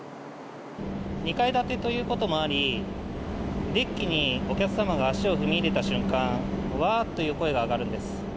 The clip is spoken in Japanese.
２階建てということもあり、デッキにお客様が足を踏み入れた瞬間、わーっという声が上がるんです。